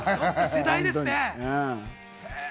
世代ですね。